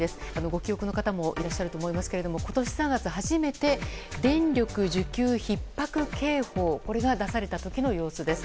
ご記憶の方もいらっしゃると思いますが今年３月、初めて電力需給ひっ迫警報が出された時の様子です。